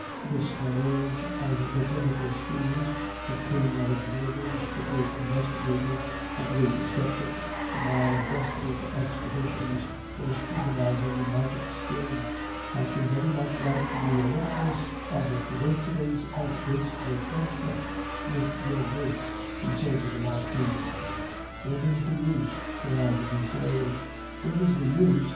This Panurge of the Clinical Schools, the king of observers, the great investigator, a great sceptic, the man of desperate expedients, was scrutinizing the Magic Skin. "I should very much like to be a witness of the coincidence of its retrenchment with your wish," he said to the Marquis. "Where is the use?" cried Brisset. "Where is the use?"